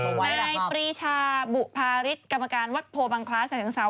ในปริชาบุภาฤทธิ์กรรมการวัดโพบังคลาสแสงเสา